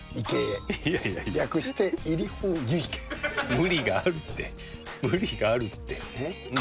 無理があるって無理があるって。